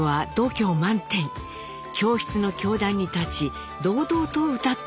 教室の教壇に立ち堂々と歌っていたといいます。